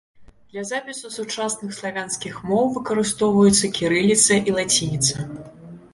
Для запісу сучасных славянскіх моў выкарыстоўваюцца кірыліца і лацініца.